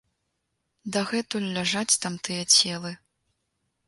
Дагэтуль ляжаць там тыя целы.